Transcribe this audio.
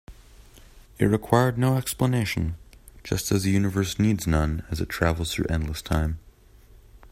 It required no explanation, just as the universe needs none as it travels through endless time.